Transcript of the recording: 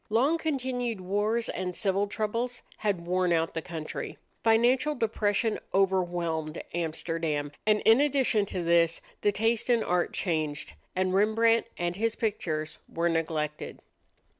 Long continued wars and civil troubles had worn out the country. Financial depression overwhelmed Amsterdam; and in addition to this the taste in art changed, and Rembrandt and his pictures were neglected.